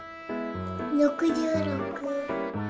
６６。